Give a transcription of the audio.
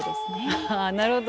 ああなるほど。